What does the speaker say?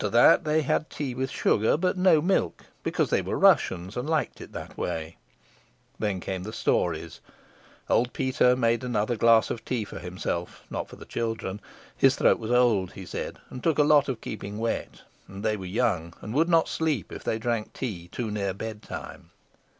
After that they had tea with sugar but no milk, because they were Russians and liked it that way. Then came the stories. Old Peter made another glass of tea for himself, not for the children. His throat was old, he said, and took a lot of keeping wet; and they were young, and would not sleep if they drank tea too near bedtime.